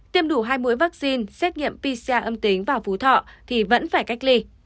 tiêm đủ hai mũi vaccine xét nghiệm pc âm tính vào phú thọ thì vẫn phải cách ly